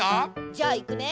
じゃあいくね。